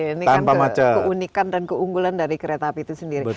ini kan keunikan dan keunggulan dari kereta api itu sendiri